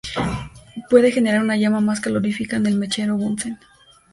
Puede generar una llama más calorífica que el mechero Bunsen.